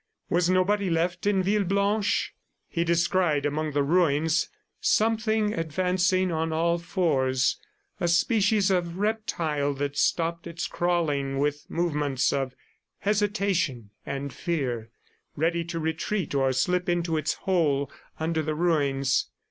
Was nobody left in Villeblanche? He descried among the ruins something advancing on all fours, a species of reptile that stopped its crawling with movements of hesitation and fear, ready to retreat or slip into its hole under the ruins.